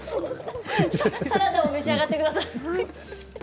サラダもお召し上がりください。